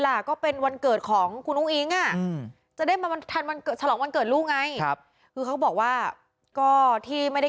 เวลาก็เป็นวันเกิดของคุณองค์อิงอ่า